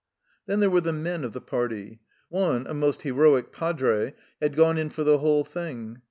Then there were the men of the party. One, a most heroic padre, had gone in for the whole thing.